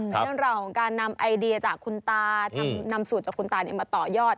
เป็นเรื่องราวของการนำไอเดียจากคุณตานำสูตรจากคุณตามาต่อยอด